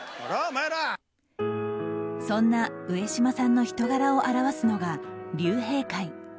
そんな上島さんの人柄を表すのが竜兵会。